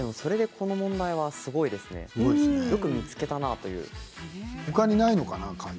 それでこの問題はすごいですね、よく見つけたな。